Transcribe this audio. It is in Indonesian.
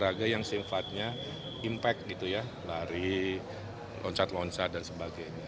olahraga yang sifatnya impact gitu ya lari loncat loncat dan sebagainya